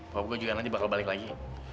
bokap gue juga nanti bakal balik lagi